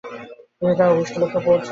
তিনি তার অভিষ্ট লক্ষ্যে পৌঁছেন।